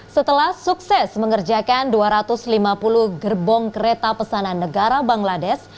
setelah sukses mengerjakan dua ratus lima puluh gerbong kereta pesanan negara bangladesh